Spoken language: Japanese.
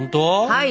はい。